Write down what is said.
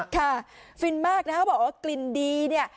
ฟินมากนะเขาบอกว่ากลิ่นดีเนี่ย